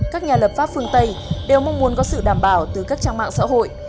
các nhà lập pháp phương tây đều mong muốn có sự đảm bảo từ các trang mạng xã hội